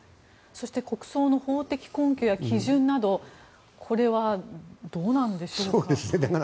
そして国葬の法的根拠や基準などこれはどうなんでしょうか。